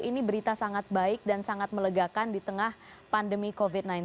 ini berita sangat baik dan sangat melegakan di tengah pandemi covid sembilan belas